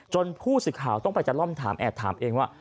ผู้สื่อข่าวต้องไปจะล่อมถามแอบถามเองว่า